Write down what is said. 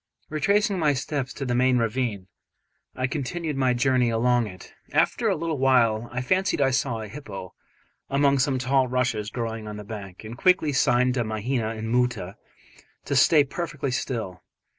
Retracing my steps to the main ravine, I continued my journey along it. After a little while I fancied I saw a hippo among some tall rushes growing on the bank, and quickly signed to Mahina and Moota to stay perfectly still.